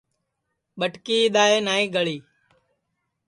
ٻٹکی اِدؔائے نائی گݪی